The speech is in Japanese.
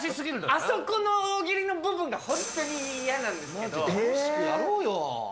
あそこの大喜利の部分が本当楽しくやろうよ。